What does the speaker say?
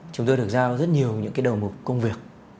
chúng tôi được giao rất nhiều những cái đầu mục công việc